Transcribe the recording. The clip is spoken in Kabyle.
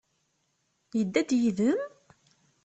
Yedda-d yid-m?